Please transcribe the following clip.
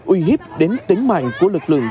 uy hiếp đến tính mạng của lực lượng